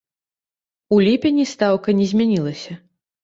У ліпені стаўка не змянілася.